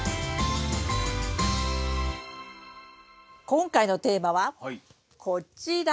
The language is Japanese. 今回のテーマはこちら。